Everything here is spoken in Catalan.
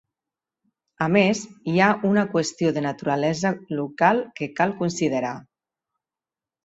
A més, hi ha una qüestió de naturalesa local que cal considerar.